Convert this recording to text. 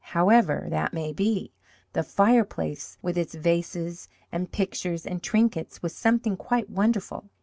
However that may be, the fireplace, with its vases and pictures and trinkets, was something quite wonderful.